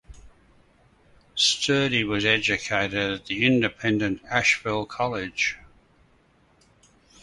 Sturdy was educated at the independent Ashville College.